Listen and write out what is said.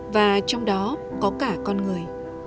và trong đó có cả con người